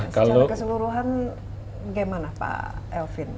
secara keseluruhan bagaimana pak elvin